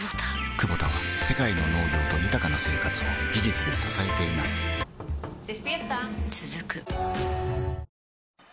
クボタは世界の農業と豊かな生活を技術で支えています起きて。